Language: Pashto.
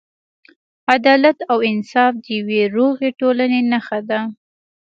عدالت او انصاف د یوې روغې ټولنې نښه ده.